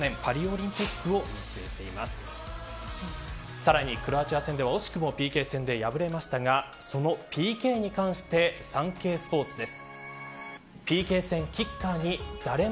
さらに、クロアチア戦で惜しくもＰＫ戦で破れましたがそのＰＫに関してサンケイスポーツです。